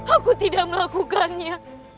aku tidak melakukannya